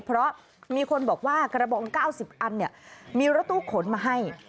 เพราะมีคนบอกว่ากระบอง๙๐อันมีรถตู้ขนมาให้